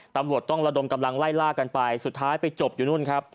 ตำรวจต้องระดมกำลังไล่ล่ากันไปสุดท้ายไปจบอยู่นู่นครับ